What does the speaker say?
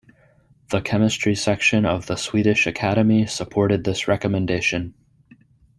The Chemistry Section of the Swedish Academy supported this recommendation.